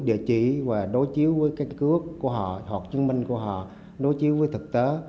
địa chỉ và đối chiếu với căn cước của họ hoặc chứng minh của họ đối chiếu với thực tế